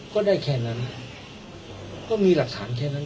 ก็ได้แค่นั้นก็มีหลักฐานแค่นั้น